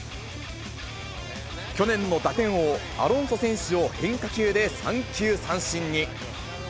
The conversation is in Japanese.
去年の打点王、アロンソ選手を変化球で三球三振に。